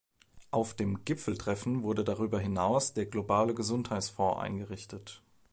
Auf dem Gipfeltreffen wurde darüber hinaus der globale Gesundheitsfonds eingerichtet.